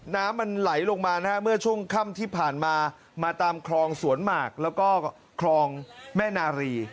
น้ำมันไหลลงมานะฮะเมื่อช่วงค่ำที่ผ่านมามาตามคลองสวนหมากแล้วก็คลองแม่นารี